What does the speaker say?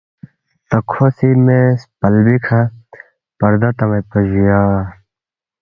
تا کھو سی موے سپلبی کھہ پردہ تان٘یدپا جُویا